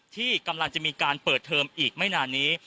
ที่กำลังจะมีการเปิดเทอมอีกไม่นานนี้